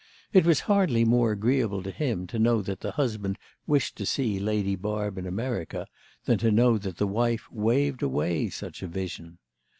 It was hardly more agreeable to him to know that the husband wished to see Lady Barb in America than to know that the wife waved away such a vision.